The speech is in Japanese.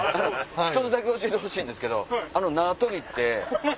一つだけ教えてほしいんですけどあの縄跳びって。